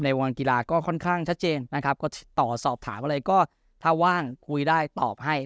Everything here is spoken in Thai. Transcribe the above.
วงกีฬาก็ค่อนข้างชัดเจนนะครับก็ต่อสอบถามอะไรก็ถ้าว่างคุยได้ตอบให้